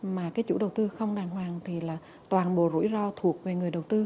mà cái chủ đầu tư không đàng hoàng thì là toàn bộ rủi ro thuộc về người đầu tư